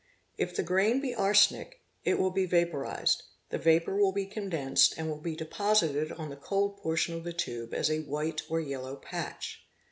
If the grain be arsenic, it will be vaporised; the vapour will be condensed and will be deposited on the cold portion of the tube as a white or yellow patch.